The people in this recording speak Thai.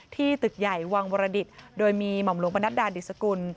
ที่ตึกใหญ่วังบรดิษฐ์โดยมีหม่อมลงประนัดดาลดิศกล